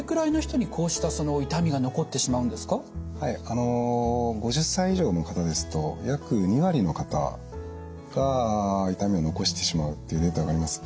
あの５０歳以上の方ですと約２割の方が痛みを残してしまうっていうデータがあります。